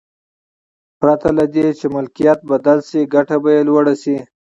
پرته له دې چې ملکیت بدل شي ګټه به یې لوړه شي.